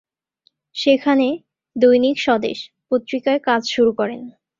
সেখানে 'দৈনিক স্বদেশ' পত্রিকায় কাজ শুরু করেন।